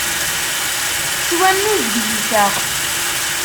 S wannuz d yiseɣ.